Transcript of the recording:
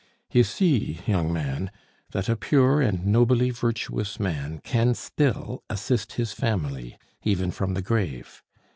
"You see, young man, that a pure and nobly virtuous man can still assist his family, even from the grave.